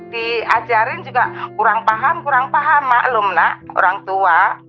diajarin juga kurang paham kurang paham maklum nak orang tua